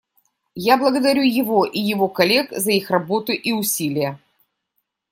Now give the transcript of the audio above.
Я благодарю его и его коллег за их работу и усилия.